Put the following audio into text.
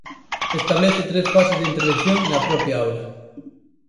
Establece tres fases de intervención na propia aula.